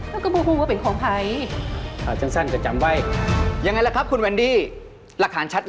แล้วก็ไม่รู้ว่าเป็นของใคร